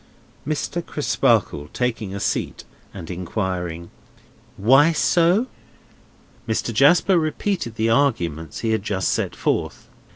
Mr. Crisparkle taking a seat, and inquiring: "Why so?" Mr. Jasper repeated the arguments he had just set forth.